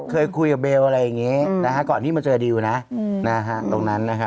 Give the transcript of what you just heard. เคยคุยกับเบลอะไรอย่างนี้ก่อนที่มาเจอดิวนะตรงนั้นนะฮะ